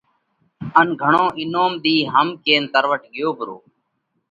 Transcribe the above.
ان گھڻو انوم ۮِيه۔ هم ڪينَ تروٽ ڳيو پرو۔